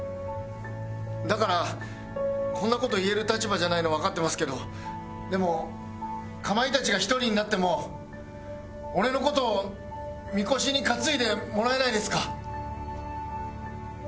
だからこんな事言える立場じゃないのわかってますけどでもかまいたちが１人になっても俺の事みこしに担いでもらえないですか？